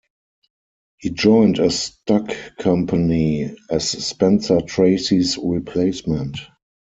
He joined a stock company as Spencer Tracy's replacement.